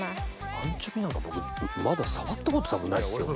アンチョビなんか僕まだ触ったこと多分ないですよ